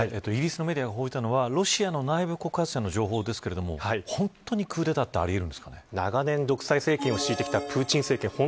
イギリスのメディアが報じたのはロシアの内部告発者の情報ですが本当に、クーデターはあ長年、独裁政権を敷いてきたプーチン政権